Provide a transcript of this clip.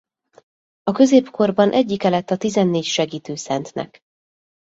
A középkorban egyike lett a tizennégy segítő szentnek.